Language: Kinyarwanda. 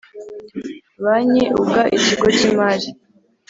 Banki uga Ikigo cy imari